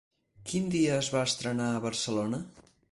Quin dia es va estrenar a Barcelona?